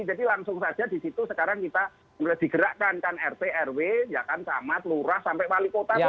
jadi langsung saja disitu sekarang kita sudah digerakkan kan rt rw ya kan sama telurah sampai balik kota